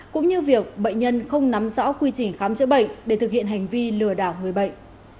cũng như việc bệnh nhân không nắm rõ quy trình khám chữa bệnh để thực hiện hành vi lừa đảo người bệnh